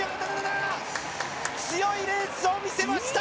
強いレースを見せました！